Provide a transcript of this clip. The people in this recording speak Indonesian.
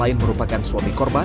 lain merupakan suami korban